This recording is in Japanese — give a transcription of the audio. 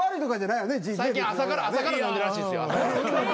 最近朝から飲んでるらしいですよ。